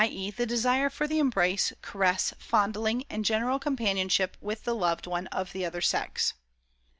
e., the desire for the embrace, caress, fondling, and general companionship with the loved one of the other sex.